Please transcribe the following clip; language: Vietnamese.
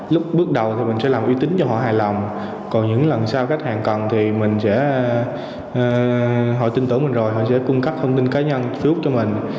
lúc bước đầu thì mình sẽ làm uy tín cho họ hài lòng còn những lần sau khách hàng cần thì mình sẽ họ tin tưởng mình rồi họ sẽ cung cấp thông tin cá nhân trước cho mình